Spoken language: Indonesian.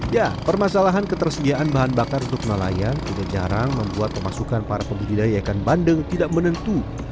ya permasalahan ketersediaan bahan bakar untuk nelayan tidak jarang membuat pemasukan para pembudidaya ikan bandeng tidak menentu